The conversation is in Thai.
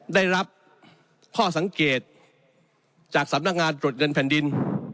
ได้รับข้อสังเกตจากสำนักงานตรวจเงินแผ่นดิน